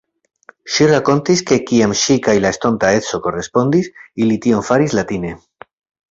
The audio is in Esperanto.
Ŝi rakontis, ke kiam ŝi kaj la estonta edzo korespondis, ili tion faris latine.